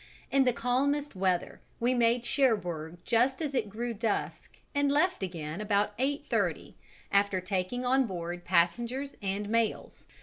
In the calmest weather we made Cherbourg just as it grew dusk and left again about 8.30, after taking on board passengers and mails.